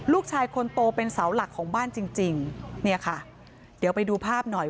ลูกชายคนโตเป็นเสาหลักของบ้านจริงจริงเนี่ยค่ะเดี๋ยวไปดูภาพหน่อย